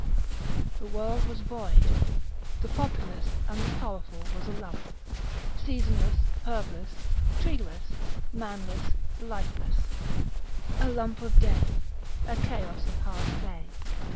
The world was void, The populous and the powerful was a lump, Seasonless, herbless, treeless, manless, lifeless, A lump of death a chaos of hard clay.